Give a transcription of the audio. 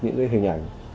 những cái hình ảnh